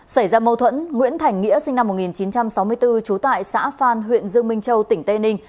xảy ra mâu thuẫn nguyễn thành nghĩa sinh năm một nghìn chín trăm sáu mươi bốn trú tại xã phan huyện dương minh châu tỉnh tây ninh